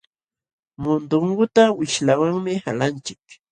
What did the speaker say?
Mundunguta wishlawanmi qalanchik.